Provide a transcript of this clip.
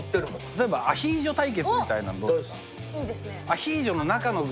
例えばアヒージョ対決みたいなのどうですか？